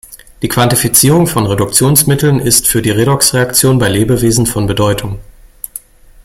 Die Quantifizierung von Reduktionsmitteln ist für Redoxreaktionen bei Lebewesen von Bedeutung.